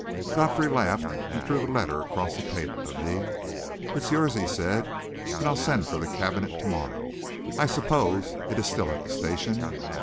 Godfrey laughed and threw the letter across the table to me. "It's yours," he said. "And I'll send for the cabinet to morrow. I suppose it is still at the station?"